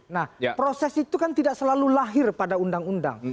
nah proses itu kan tidak selalu lahir pada undang undang